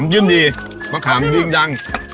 น้ำจิ้มดีมะขามดิ้งดัง